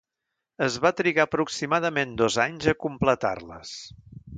Es va trigar aproximadament dos anys a completar-les.